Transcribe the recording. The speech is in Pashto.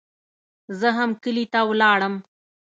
زه هم کلي ته ولاړم.